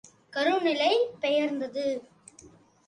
கரு நிலை பெயர்ந்தது.